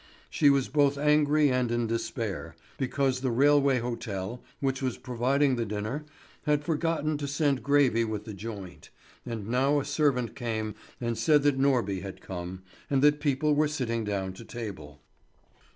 She was both angry and in despair, because the Railway Hotel, which was providing the dinner, had forgotten to send gravy with the joint, and now a servant came and said that Norby had come, and that people were sitting down to table.